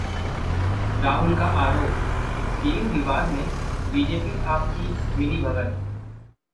राहुल का आरोप, सीलिंग विवाद में बीजेपी-आप की मिलीभगत